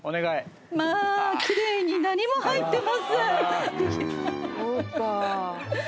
まぁキレイに何も入ってません。